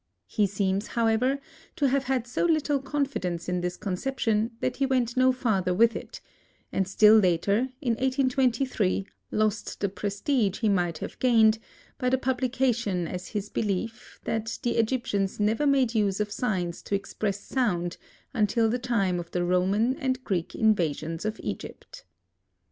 He seems, however, to have had so little confidence in this conception that he went no farther with it, and still later, in 1823, lost the prestige he might have gained, by the publication as his belief, that the Egyptians never made use of signs to express sound until the time of the Roman and Greek invasions of Egypt.